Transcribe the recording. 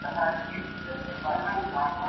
منډه د لوبغاړي له خوا وهل کيږي!؟